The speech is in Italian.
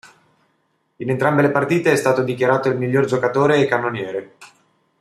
In entrambe le partite è stato dichiarato il miglior giocatore e cannoniere.